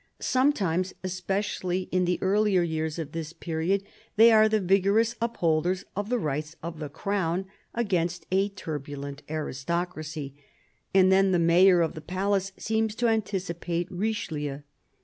Sometimes, especially in the earlier 3'ears of this period, they are the vigorous up holders of the rights of the crown against a turbulent aristocracy, and then the mayor of the palace seems to anticipate Eichelieu.